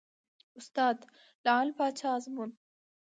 استاد : لعل پاچا ازمون